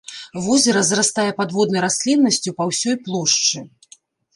Возера зарастае падводнай расліннасцю па ўсёй плошчы.